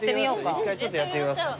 １回ちょっとやってみます。